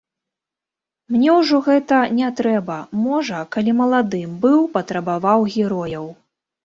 Мне ўжо гэта не трэба, можа, калі маладым быў, патрабаваў герояў.